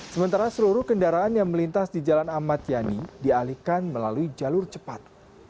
sementara seluruh kendaraan yang melintas di jalan ahmad yani dialihkan melalui jalur cepat